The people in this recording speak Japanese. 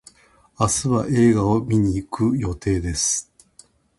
明日は映画を見に行く予定です。